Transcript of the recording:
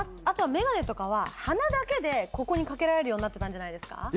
あとは眼鏡とかは鼻だけでここにかけられるようになってたんじゃないですか？